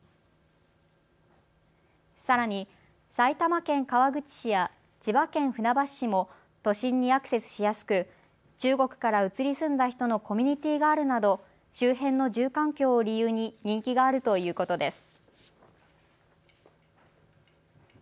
さらに埼玉県川口市や千葉県船橋市も都心にアクセスしやすく中国から移り住んだ人のコミュニティーがあるなど周辺の住環境を理由に人気があるということです。